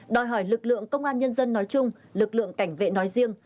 đòi hỏi lực lượng công an nhân dân nói chung lực lượng cảnh vệ nói riêng